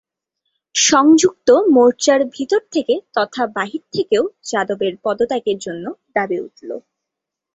সংযুক্ত মোর্চার ভিতর থেকে তথা বাহির থেকেও যাদবের পদত্যাগের জন্য দাবী উঠল।